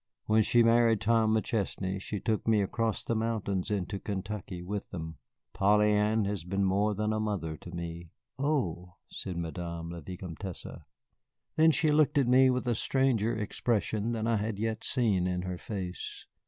When she married Tom McChesney they took me across the mountains into Kentucky with them. Polly Ann has been more than a mother to me." "Oh!" said Madame la Vicomtesse. Then she looked at me with a stranger expression than I had yet seen in her face.